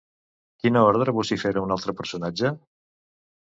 Quina ordre vocifera un altre personatge?